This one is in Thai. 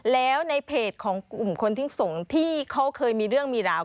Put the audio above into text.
แล้วในเพจของกลุ่มคนทิ้งส่งที่เขาเคยมีเรื่องมีราว